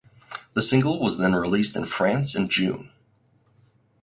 The single was then released in France in June.